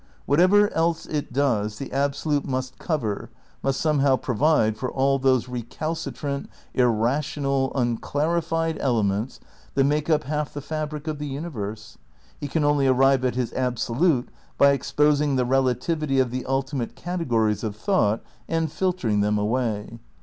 Whatever else it does, the Absolute must cover, must somehow provide for all those recalcitrant, irrational, unclarified elements that make up half the fabric of the universe. He can only arrive at his Ab solute by exposing the relativity of the ultimate cate gories of thought and filtering them away.